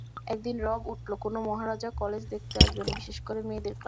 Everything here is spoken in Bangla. একদিন রব উঠল কোনো মহারাজা কলেজ দেখতে আসবেন, বিশেষ করে মেয়েদের ক্লাস।